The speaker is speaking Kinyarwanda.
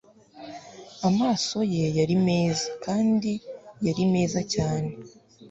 Amaso ye yari meza kandi yari meza cyane